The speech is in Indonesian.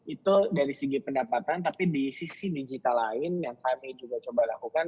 itu dari segi pendapatan tapi di sisi digital lain yang kami juga coba lakukan beberapa di sebuah platform